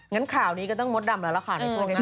งั้นข่าวนี้ก็ต้องมดดำแล้วล่ะค่ะในช่วงหน้า